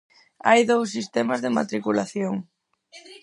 Hai dous sistemas de matriculación.